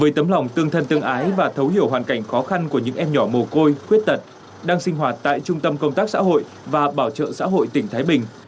với tấm lòng tương thân tương ái và thấu hiểu hoàn cảnh khó khăn của những em nhỏ mồ côi khuyết tật đang sinh hoạt tại trung tâm công tác xã hội và bảo trợ xã hội tỉnh thái bình